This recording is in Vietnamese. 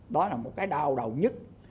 đó là một cái đau đầu nhất